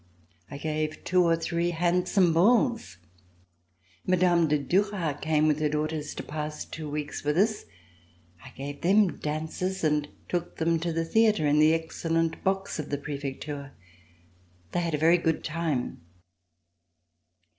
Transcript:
I gave two or three handsome balls. Mme. de Duras came with her daughters to pass two weeks with us. I gave them dances and took them to the theatre in the excellent box of the Prefecture. They had a very good time.